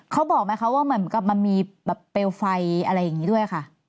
เขาบอกไหมว่ามันมีเปลวไฟอะไรแบบนี้ด้วยไหม